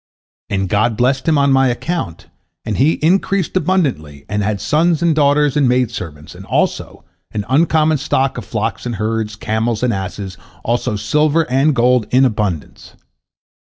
And God blessed him on my account, and he increased abundantly, and had sons and daughters and maid servants, and also an uncommon stock of flocks and herds, camels and asses, also silver and gold in abundance.